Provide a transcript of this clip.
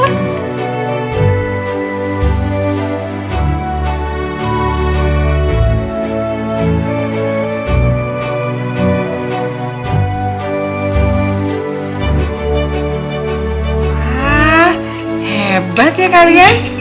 wah hebat ya kalian